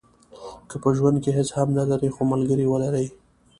که په ژوند کې هیڅ هم نه لرئ خو ملګری ولرئ.